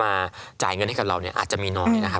จ่ายเงินให้กับเราเนี่ยอาจจะมีน้อยนะครับ